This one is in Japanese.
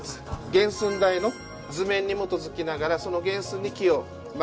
原寸大の図面に基づきながらその原寸に木を曲げていく。